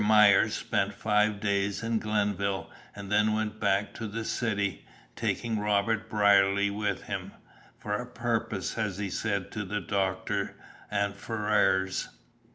Myers spent five days in Glenville, and then went back to the city, taking Robert Brierly with him, "for a purpose," as he said to the doctor and Ferrars.